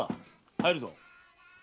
入るぞ。